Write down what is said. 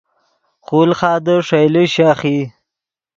خولخادے ݰئیلے شیخ ای